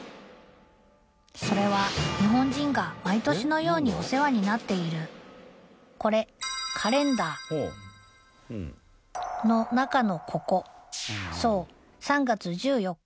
それは日本人が毎年のようにお世話になっているこれカレンダーの中のココそう３月１４日